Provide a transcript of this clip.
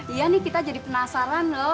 iya nih kita jadi penasaran loh